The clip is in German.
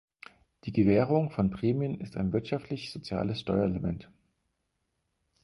Die Gewährung von Prämien ist ein wirtschaftlich-soziales Steuerelement.